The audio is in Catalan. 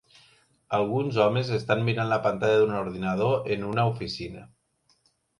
Alguns homes estan mirant la pantalla d'un ordinador en una oficina.